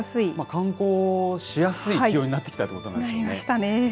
観光しやすい気温になってきたということになりますよね。